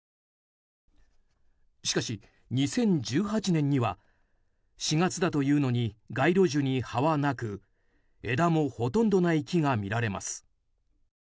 しかし、２０１８年には４月だというのに街路樹に葉はなく、枝もほとんどない木が見られます。